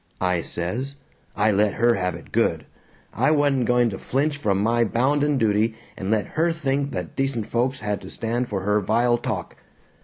I says. I let her have it good. I wa'n't going to flinch from my bounden duty and let her think that decent folks had to stand for her vile talk.